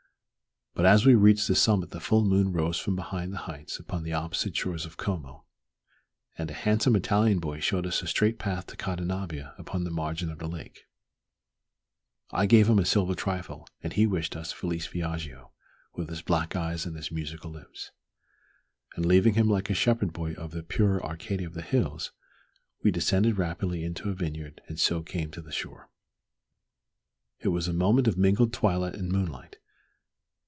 But as we reached the summit the full moon rose from behind the heights upon the opposite shores of Como, and a handsome Italian boy showed us a straight path to Cadenabia upon the margin of the lake. I gave him a silver trifle, and he wished us "felice viaggio" with his black eyes and his musical lips; and leaving him like a shepherd boy of the purer Arcadia of the hills, we descended rapidly into a vineyard, and so came to the shore. It was a moment of mingled twilight and moonlight.